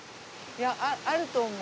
いやあると思う。